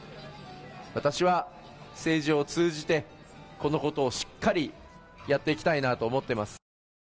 私は政治を通じて、このことをしっかりやっていきたいなと思っています。